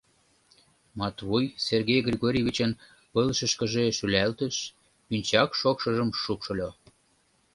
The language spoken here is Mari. — Матвуй Сергей Григорьевичын пылышышкыже шӱлалтыш, пинчак шокшыжым шупшыльо.